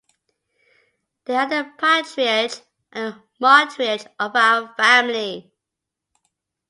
They are the patriarch and matriarch of our family.